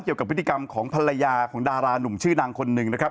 เกี่ยวกับพฤติกรรมของภรรยาของดารานุ่มชื่อดังคนหนึ่งนะครับ